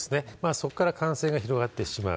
そこから感染が広がってしまう。